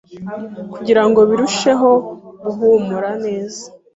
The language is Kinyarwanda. kugirango birusheho guhumura neza,